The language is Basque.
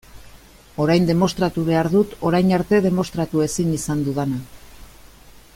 Orain demostratu behar dut orain arte demostratu ezin izan dudana.